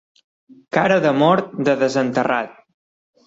Cara de mort, de desenterrat.